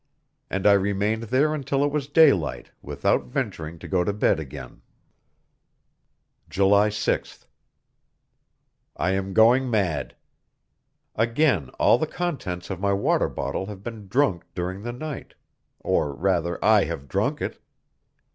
And I remained there until it was daylight, without venturing to go to bed again. July 6th. I am going mad. Again all the contents of my water bottle have been drunk during the night or rather, I have drunk it!